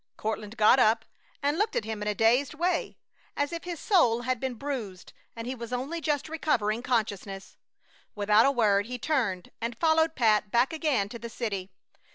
Courtland got up and looked at him in a dazed way, as if his soul had been bruised and he was only just recovering consciousness. Without a word he turned and followed Pat back again to the city.